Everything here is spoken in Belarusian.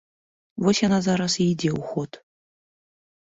Вось яна зараз і ідзе ў ход.